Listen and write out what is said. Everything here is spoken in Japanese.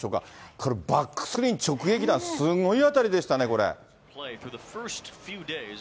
これ、バックスクリーン直撃弾、すごい当たりでしたね、これ。